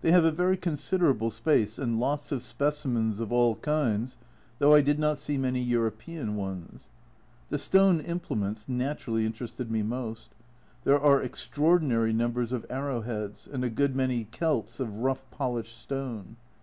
They have a very consider able space, and lots of specimens of all kinds, though A Journal from Japan 243 I did not see many European ones. The stone implements naturally interested me most. There are extraordinary numbers of arrowheads, and a good many celts of rough polished stone.